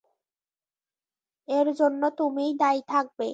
এর জন্য তুমিই দায়ি থাকবে।